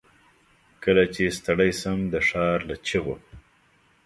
کله چې ستړی شم، دښارله چیغو